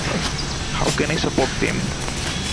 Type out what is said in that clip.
How can I support them?